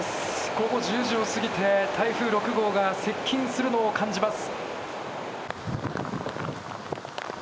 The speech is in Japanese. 午後１０時を過ぎて台風６号が接近するのを感じます。